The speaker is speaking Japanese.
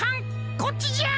こっちじゃ！